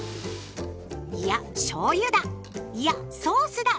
いやしょうゆだ！